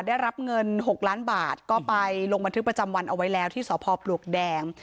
ได้รับเงิน๖ล้านบาทก็ไปลงบันทึกประจำวันเอาไว้แล้วที่สพปลวกแดง